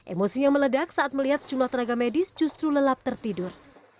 emosinya meledak saat melihat sejumlah tenaga medis justru lelap tertidur